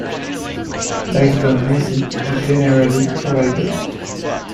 Live band music is generally provided.